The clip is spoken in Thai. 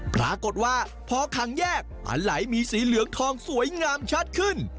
ปรากฏว่าพอขังแยกอันไหลมีสีเหลืองทองสวยงามชัดขึ้น